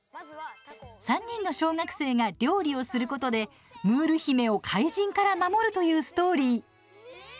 ３人の小学生が料理をすることでムール姫を怪人から守るというストーリー。